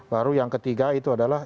baru yang ketiga itu adalah